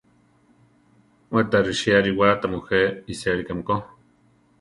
We ta risí ariwa tamujé isélikame ko.